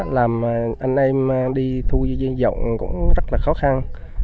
làm anh em đi thui giọng cũng rất là khó khăn